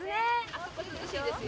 あそこ涼しいですよ。